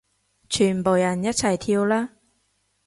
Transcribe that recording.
全部人一齊跳啦